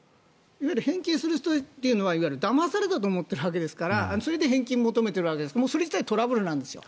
いわゆる返金する人というのはだまされたと思っているわけですからそれで返金を求めているわけですからそれ自体、トラブルなんですよ。